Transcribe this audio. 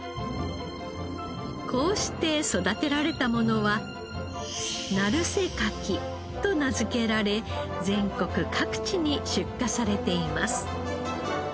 こうして育てられたものは鳴瀬かきと名付けられ全国各地に出荷されています。